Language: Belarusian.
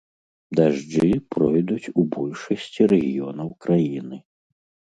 Дажджы пройдуць у большасці рэгіёнаў краіны.